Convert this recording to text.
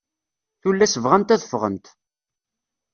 Tullast bɣant ad ffɣent.